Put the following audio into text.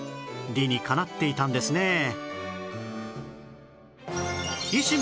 理にかなっていたんですね